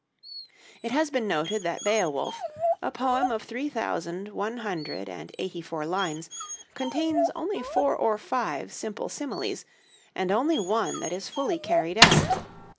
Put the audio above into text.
It has been noted that 'Beowulf,' a poem of three thousand one hundred and eighty four lines, contains only four or five simple similes, and only one that is fully carried out.